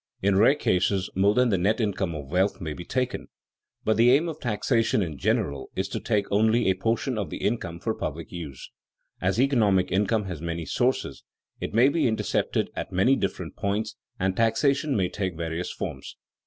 _ In rare cases more than the net income of wealth may be taken, but the aim of taxation in general is to take only a portion of the income for public uses. As economic income has many sources, it may be intercepted at many different points, and taxation may take various forms.